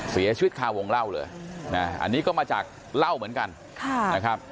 เสียชีวิตคาวงเล่าเลยนะอันนี้ก็มาจากเหล้าเหมือนกันนะครับ